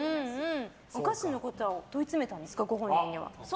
お菓子のことは問い詰めたんですか